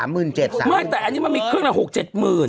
ไม่แต่อันนี้มันมีเครื่องละ๖๗หมื่น